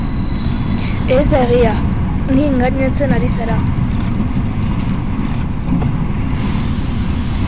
Ez da egia, ni engainatzen ari zara.